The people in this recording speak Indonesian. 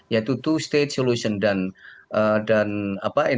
yaitu two state solution dan tentang berada di bukit asin